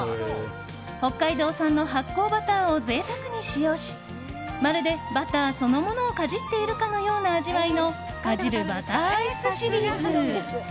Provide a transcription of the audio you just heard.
北海道産の発酵バターを贅沢に使用しまるでバターそのものをかじっているかのような味わいのかじるバターアイスシリーズ。